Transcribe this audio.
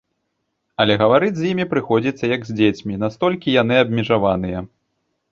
Але гаварыць з імі прыходзіцца як з дзецьмі, настолькі яны абмежаваныя.